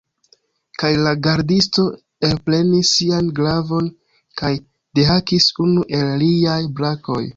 Kaj la gardisto elprenis sian glavon kaj dehakis unu el liaj brakoj.